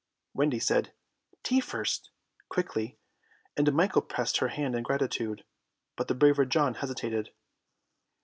Wendy said "tea first" quickly, and Michael pressed her hand in gratitude, but the braver John hesitated.